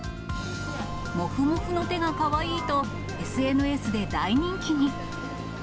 モフモフの手がかわいいと、ＳＮＳで大人気に。